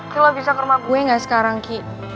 ki lo bisa ke rumah gue gak sekarang ki